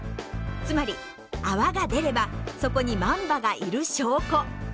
つまり泡が出ればそこにマンバがいる証拠。